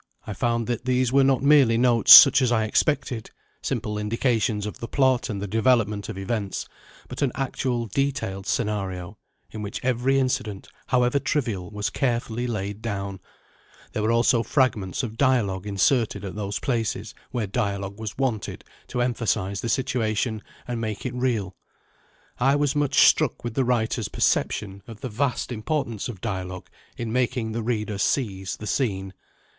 I found that these were not merely notes such as I expected simple indications of the plot and the development of events, but an actual detailed scenario, in which every incident, however trivial, was carefully laid down: there were also fragments of dialogue inserted at those places where dialogue was wanted to emphasise the situation and make it real. I was much struck with the writer's perception of the vast importance of dialogue in making the reader seize the scene.